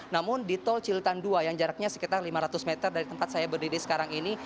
namun di tol cilitan dua yang jaraknya sekitar lima ratus meter dari tempat saya berdiri sekarang ini